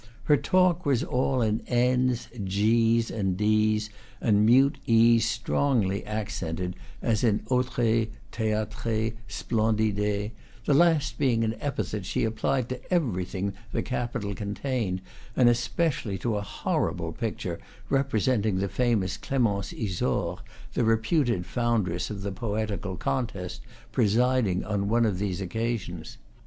Her talk was all in n's, g's, and d's, and in mute e's strongly accented, as autre, theatre, splendide, the last being an epithet she applied to everything the Capitol contained, and especially to a horrible picture representing the famous Clemence Isaure, the reputed foundress of the poetical contest, presiding on one of these occasions.